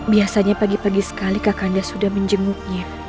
biasanya pagi pagi sekali kakanda sudah menjemuknya